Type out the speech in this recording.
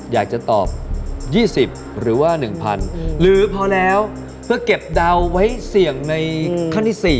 อยากจะตอบยี่สิบหรือว่าหนึ่งพันอืมหรือพอแล้วเพื่อเก็บดาวไว้เสี่ยงในขั้นที่สี่